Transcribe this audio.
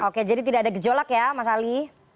oke jadi tidak ada gejolak ya mas ali